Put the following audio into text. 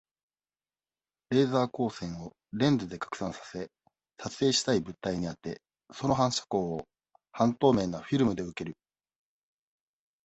レーザー光線を、レンズで拡散させ、撮影したい物体に当て、その反射光を、半透明なフィルムで受ける。